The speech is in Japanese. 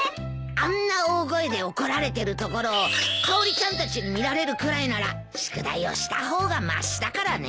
あんな大声で怒られてるところをかおりちゃんたちに見られるくらいなら宿題をした方がましだからね。